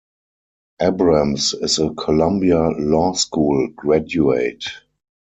Abrams is a Columbia Law School graduate.